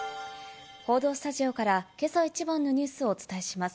報道スタジオからけさ一番のニュースをお伝えします。